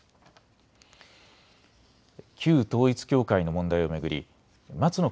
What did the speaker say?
旧統一教会の問題を巡り松野